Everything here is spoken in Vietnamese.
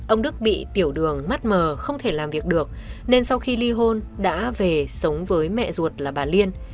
ông đức bị tiểu đường mắt mờ không thể làm việc được nên sau khi ly hôn đã về sống với mẹ ruột là bà liên